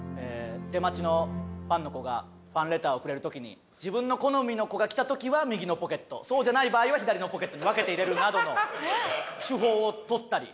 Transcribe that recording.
出待ちのファンの子がファンレターをくれる時に自分の好みの子が来た時は右のポケットそうじゃない場合は左のポケットに分けて入れるなどの手法を取ったり。